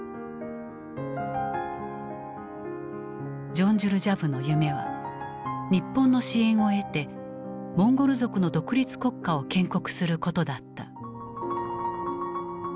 ジョンジュルジャブの夢は日本の支援を得てモンゴル族の独立国家を建国することだった。